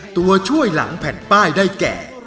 ตัวช่วยหลังแผ่นป้ายได้แก่